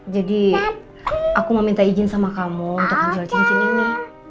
jadi aku mau minta izin sama kamu untuk ngejual cincin ini